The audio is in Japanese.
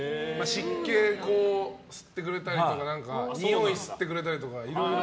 湿気を吸ってくれたりとかにおい吸ってくれたりとかね。